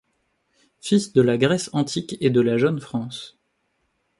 Fils de la Grèce antique et de la jeune France